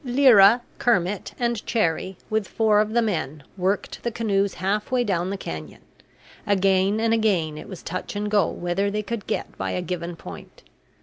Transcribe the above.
Lyra, Kermit, and Cherrie, with four of the men, worked the canoes half way down the canyon. Again and again it was touch and go whether they could get by a given point.